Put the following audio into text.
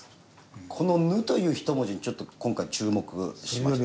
この「ぬ」という１文字にちょっと今回注目しまして。